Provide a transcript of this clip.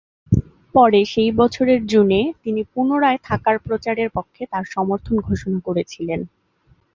পরে সেই বছরের জুনে, তিনি পুনরায় থাকার প্রচারের পক্ষে তার সমর্থন ঘোষণা করেছিলেন।